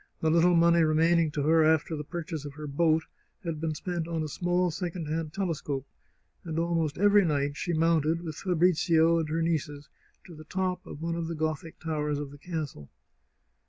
The little money re maining to her after the purchase of her boat had been spent on a small second hand telescope, and almost every night she mounted, with Fabrizio and her nieces, to the top of one of the Gothic towers of the castle.